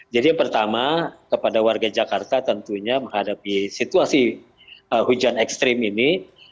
jadi yang pertama kepada warga jakarta tentunya menghadapi situasi hujan ekstrim ini